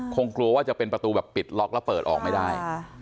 คงกลัวว่าจะเป็นประตูแบบปิดล็อกแล้วเปิดออกไม่ได้